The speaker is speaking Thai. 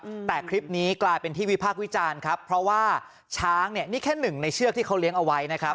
อืมแต่คลิปนี้กลายเป็นที่วิพากษ์วิจารณ์ครับเพราะว่าช้างเนี้ยนี่แค่หนึ่งในเชือกที่เขาเลี้ยงเอาไว้นะครับ